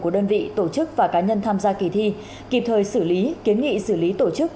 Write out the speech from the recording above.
của đơn vị tổ chức và cá nhân tham gia kỳ thi kịp thời xử lý kiến nghị xử lý tổ chức